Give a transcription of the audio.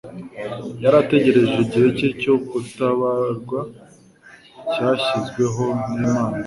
Yari ategereje igihe cye cyo gutabarwa cyashyizweho n'Imana.